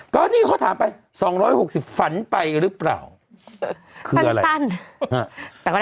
ก็นี่เขาถามไปสองร้อยหกสิบฝันไปหรือเปล่าคืออะไรฝันตั้นฮะ